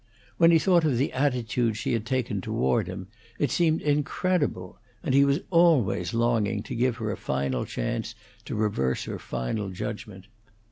When he thought of the attitude she had taken toward him, it seemed incredible, and he was always longing to give her a final chance to reverse her final judgment.